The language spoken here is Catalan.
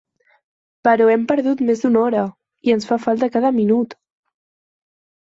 Però hem perdut més d'una hora, i ens fa falta cada minut!